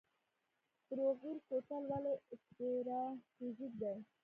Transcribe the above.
بروغیل کوتل ولې استراتیژیک دی؟